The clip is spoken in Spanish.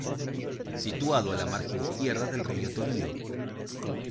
Situado a la margen izquierda del río Torío.